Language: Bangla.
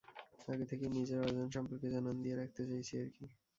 আগে থেকেই নিজের অর্জন সম্পর্কে জানান দিয়ে রাখতে চাইছি আরকি।